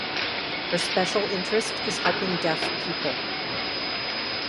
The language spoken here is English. Her special interest is helping deaf people.